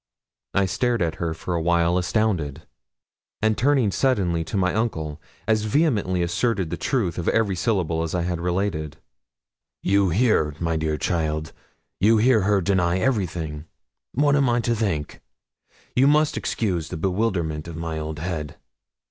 I stared at her for a while astounded, and turning suddenly to my uncle, as vehemently asserted the truth of every syllable I had related. 'You hear, my dear child, you hear her deny everything; what am I to think? You must excuse the bewilderment of my old head.